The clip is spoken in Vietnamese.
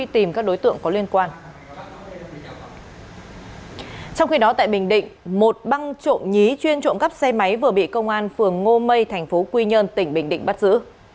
trong khi đó tại bình định một băng trộm nhí chuyên trộm cắp xe máy vừa bị công an phường ngô mây thành phố quy nhơn tỉnh bình định bắt giữ